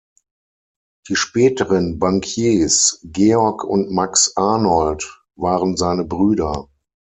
Die späteren Bankiers Georg und Max Arnhold waren seine Brüder.